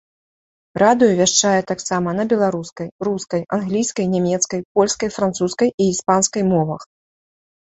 Радыё вяшчае таксама на беларускай, рускай, англійскай, нямецкай, польскай, французскай і іспанскай мовах.